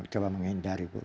coba menghindari bu